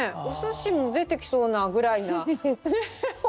お寿司も出てきそうなぐらいなねえ